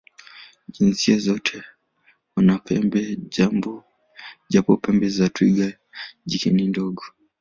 Jinsia zote wana pembe, japo pembe za twiga jike ni ndogo.